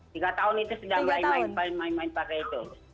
tiga tahun itu sedang main main pakai itu